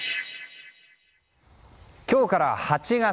今日から８月。